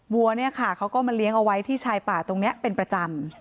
วัวเนี่ยค่ะเขาก็มาเลี้ยงเอาไว้ที่ชายป่าตรงนี้เป็นประจำ